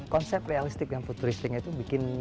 konsep realistik dan futuristiknya itu bikin